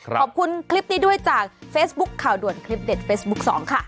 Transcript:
ขอบคุณคลิปนี้ด้วยจากเฟซบุ๊คข่าวด่วนคลิปเด็ดเฟซบุ๊คสองค่ะ